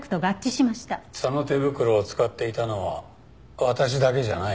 その手袋を使っていたのは私だけじゃない。